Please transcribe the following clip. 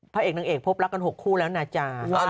พระเอกนางเอกพบรักกัน๖คู่แล้วนะจ๊ะ